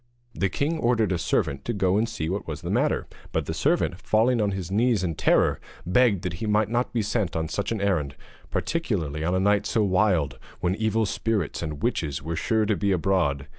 The king ordered a servant to go and see what was the matter; but the servant, falling on his knees in terror, begged that he might not be sent on such an errand, particularly on a night so wild, when evil spirits and witches were sure to be abroad.